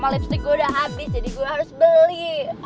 lipstick gue sudah habis jadi gue harus beli